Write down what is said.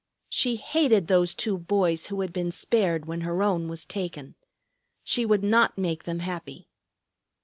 She hated those two boys who had been spared when her own was taken. She would not make them happy.